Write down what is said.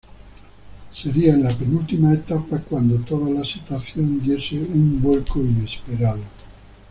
Sería en la penúltima etapa cuando toda la situación diese un vuelco inesperado.